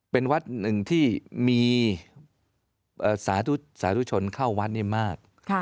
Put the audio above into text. เป็นวัดหนึ่งที่มีสาธุชนเข้าวัดนี่มากค่ะ